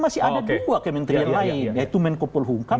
ada dua kementerian lain yaitu menkopol hungkam